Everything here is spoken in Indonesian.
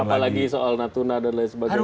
apalagi soal natuna dan lain sebagainya